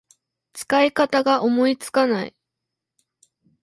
使い方が思いつかない